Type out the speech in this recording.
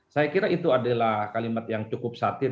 saya kira itu adalah kalimat yang cukup satir